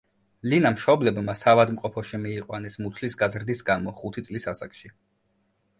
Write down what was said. ლინა მშობლებმა საავადმყოფოში მიიყვანეს მუცლის გაზრდის გამო ხუთი წლის ასაკში.